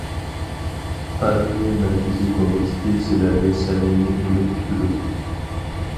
پارتىيە مەركىزىي كومىتېتى سىلەردىن سەمىمىي ئۈمىد كۈتىدۇ.